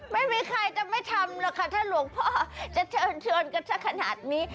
ไม่มีใครจะไม่ทำหรอกค่ะถ้าหลวงพ่อจะเชิญชวนกันสักขนาดนี้